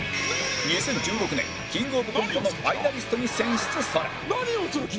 ２０１６年キングオブコントのファイナリストに選出され